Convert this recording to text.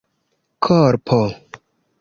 korpo